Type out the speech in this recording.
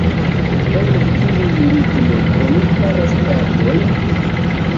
El kiuj lignoj oni faras tablojn?